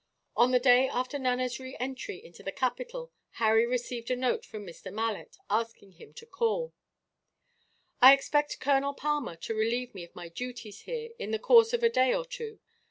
On the day after Nana's re entry into the capital, Harry received a note from Mr. Malet, asking him to call. "I expect Colonel Palmer to relieve me of my duties here, in the course of a day or two.